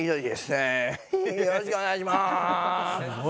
よろしくお願いします。